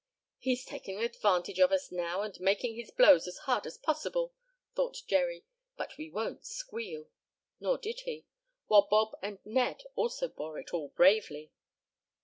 "He's taking advantage of us now and making his blows as hard as possible," thought Jerry, "but we won't squeal." Nor did he, while Bob and Ned also bore it all bravely.